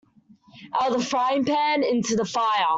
Out of the frying pan into the fire.